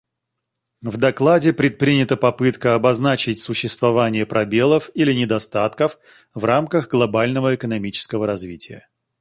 В докладе предпринята попытка обозначить существование пробелов или недостатков в рамках глобального экономического развития.